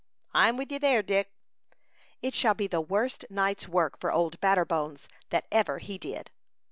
"I'm with you there, Dick." "It shall be the worst night's work for Old Batterbones that ever he did."